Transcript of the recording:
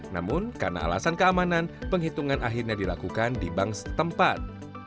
namun karena alasan keamanan penghitungan akhirnya dilakukan di bank setempat